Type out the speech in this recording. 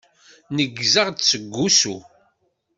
Neggzeɣ-d seg wusu.